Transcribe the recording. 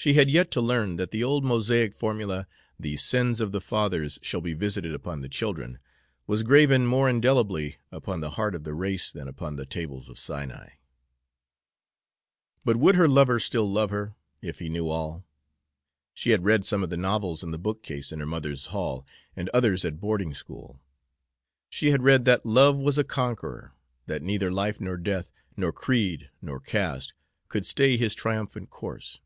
She had yet to learn that the old Mosaic formula, "The sins of the fathers shall be visited upon the children," was graven more indelibly upon the heart of the race than upon the tables of Sinai. But would her lover still love her, if he knew all? She had read some of the novels in the bookcase in her mother's hall, and others at boarding school. She had read that love was a conqueror, that neither life nor death, nor creed nor caste, could stay his triumphant course.